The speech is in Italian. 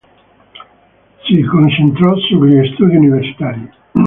Si concentrò sugli studi universitari.